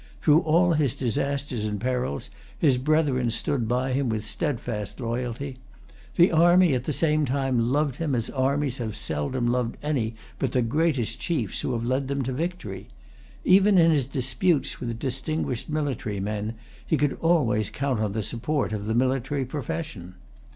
Through all his disasters and perils, his brethren stood by him with steadfast loyalty. The army, at the same time, loved him as armies have seldom loved any but the greatest chiefs who have led them to victory. Even in his disputes with distinguished military men, he could always count on the support of the military profession.